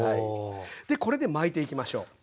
でこれで巻いていきましょう。